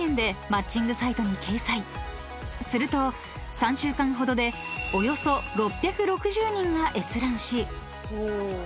［すると３週間ほどでおよそ６６０人が閲覧し］